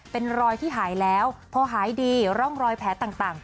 เป็นรอยที่หายแล้วพอหายดีร่องรอยแผลต่าง